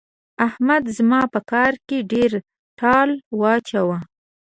احمد زما په کار کې ډېر ټال واچاوو.